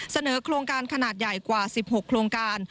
เสนอโครงการขนาดใหญ่กว่า๑๖โครงการ